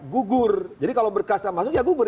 gugur jadi kalau berkas yang masuk ya gugur